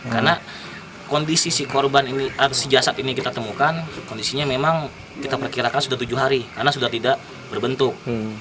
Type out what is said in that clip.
karena kondisi si jasad ini kita temukan kondisinya memang kita perkirakan sudah tujuh hari karena sudah tidak berbentuk